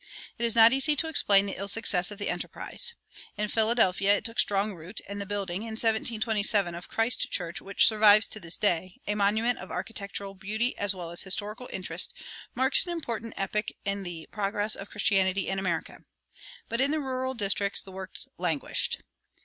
It is not easy to explain the ill success of the enterprise. In Philadelphia it took strong root, and the building, in 1727, of Christ Church, which survives to this day, a monument of architectural beauty as well as historical interest, marks an important epoch in the progress of Christianity in America. But in the rural districts the work languished.